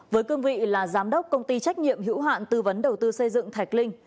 với cương vị là giám đốc công ty trách nhiệm hữu hạn tư vấn đầu tư xây dựng thạch linh